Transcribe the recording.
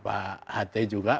pak ht juga